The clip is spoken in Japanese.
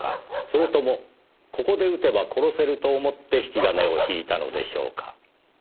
それともここで撃てば殺せると思って引き金を引いたのでしょうか？